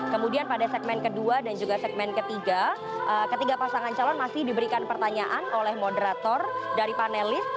kemudian pada segmen kedua dan juga segmen ketiga ketiga pasangan calon masih diberikan pertanyaan oleh moderator dari panelis